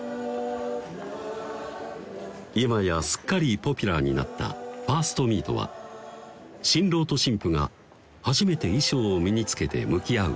今やすっかりポピュラーになったファーストミートは新郎と新婦が初めて衣装を身につけて向き合う